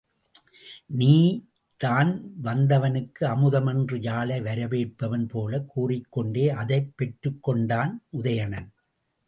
நீதான் வத்தவனுக்கு, அமுதம் என்று யாழை வரவேற்பவன் போலக் கூறிக்கொண்டே, அதைப் பெற்றுக்கொண்டான் உதயணன்.